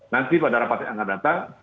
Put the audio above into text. nanti pada rapatnya anggap datang